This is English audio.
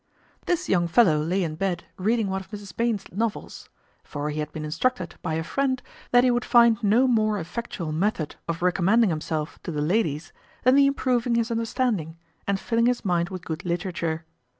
This young fellow lay in bed reading one of Mrs Behn's novels; for he had been instructed by a friend that he would find no more effectual method of recommending himself to the ladies than the improving his understanding, and filling his mind with good literature.